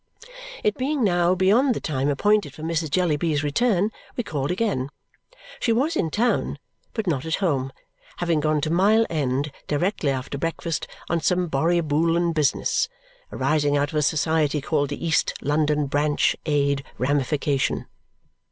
It being now beyond the time appointed for Mrs. Jellyby's return, we called again. She was in town, but not at home, having gone to Mile End directly after breakfast on some Borrioboolan business, arising out of a society called the East London Branch Aid Ramification.